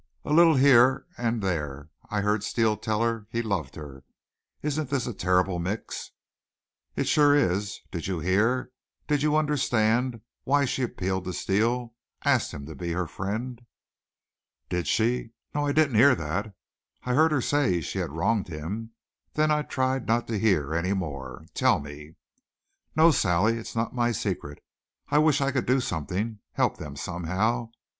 "A little, here and there. I heard Steele tell her he loved her. Isn't this a terrible mix?" "It sure is. Did you hear do you understand why she appealed to Steele, asked him to be her friend?" "Did she? No, I didn't hear that. I heard her say she had wronged him. Then I tried not to hear any more. Tell me." "No Sally; it's not my secret. I wish I could do something help them somehow.